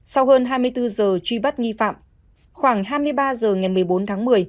sau hơn hai mươi bốn giờ truy bắt nghi phạm khoảng hai mươi ba h ngày một mươi bốn tháng một mươi